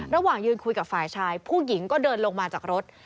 ระหว่างยืนคุยกับฝ่ายชายผู้หญิงก็เดินลงมาจากรถ